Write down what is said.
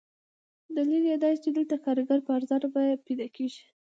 دلیل یې دادی چې دلته کارګر په ارزانه بیه پیدا کېږي.